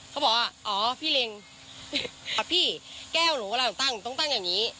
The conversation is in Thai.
เขาบอกว่าอ๋อพี่เล็งพี่แก้วหนูกำลังตั้งหนูต้องตั้งอย่างนี้